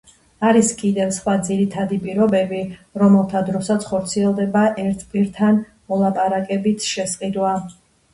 არის კიდევ სხვა ძირითადი პირობები, რომელთა დროსაც ხორციელდება ერთ პირთან მოლაპარაკებით შესყიდვა.